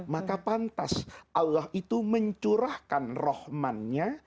maka pantas allah itu mencurahkan rahman nya